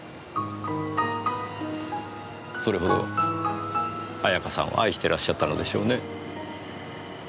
それほど綾香さんを愛してらっしゃったのでしょうねぇ。